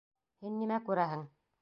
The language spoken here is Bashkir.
Һин нимә күрәһең?